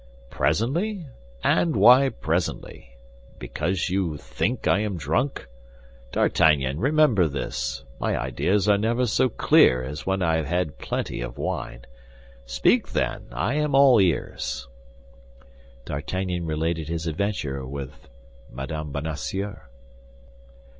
"Presently! And why presently? Because you think I am drunk? D'Artagnan, remember this! My ideas are never so clear as when I have had plenty of wine. Speak, then, I am all ears." D'Artagnan related his adventure with Mme. Bonacieux.